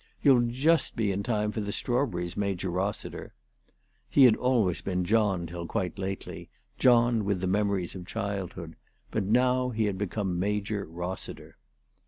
You'll just be in time for the strawberries, Major Rossiter." He had always been John till quite lately, John with the memories of childhood ; but now he had become Major Rossiter.